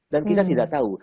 dan kita tidak tahu